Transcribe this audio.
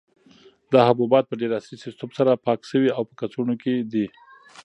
دا حبوبات په ډېر عصري سیسټم سره پاک شوي او په کڅوړو کې دي.